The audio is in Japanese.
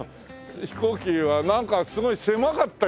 飛行機はなんかすごい狭かったような気がしたな。